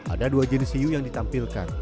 ada dua jenis hiu yang ditampilkan